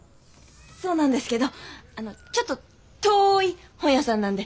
そうなんですけどあのちょっと遠い本屋さんなんで。